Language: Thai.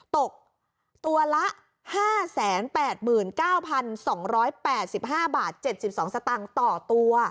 ตกตัวละ๕๘๙๒๘๕บาท๗๒สตางค์ต่อตัว